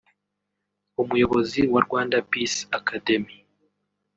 Umuyobozi wa Rwanda Peace Academy